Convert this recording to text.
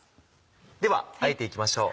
ではあえていきましょう。